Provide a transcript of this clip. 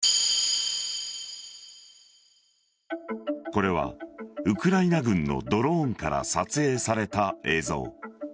これはウクライナ軍のドローンから撮影された映像。